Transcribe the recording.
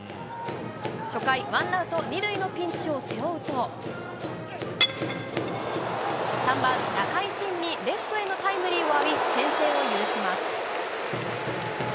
初回、ワンアウト２塁のピンチを背負うと、３番仲井慎にレフトへのタイムリーを浴び、先制を許します。